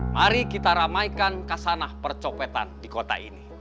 mari kita ramaikan kasanah percopetan di kota ini